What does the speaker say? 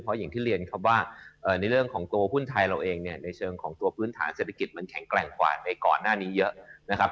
เพราะอย่างที่เรียนครับว่าในเรื่องของตัวหุ้นไทยเราเองเนี่ยในเชิงของตัวพื้นฐานเศรษฐกิจมันแข็งแกร่งกว่าในก่อนหน้านี้เยอะนะครับ